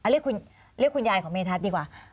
เรียกคุณยายของเมธัศนดีกว่า